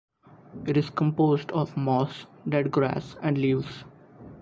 It is composed of moss, dead grass and leaves.